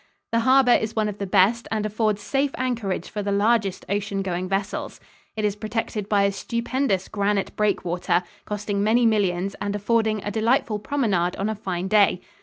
The harbor is one of the best and affords safe anchorage for the largest ocean going vessels. It is protected by a stupendous granite breakwater, costing many millions and affording a delightful promenade on a fine day.